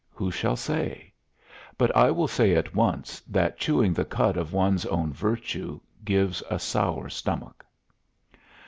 Who shall say? But I will say at once that chewing the cud of one's own virtue gives a sour stomach.